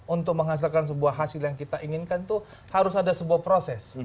untuk menghasilkan sebuah hasil yang kita inginkan itu harus ada sebuah proses